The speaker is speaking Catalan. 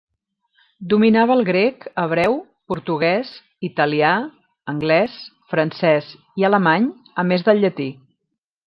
Dominava el grec, hebreu, portuguès, italià, anglès, francès i alemany a més del llatí.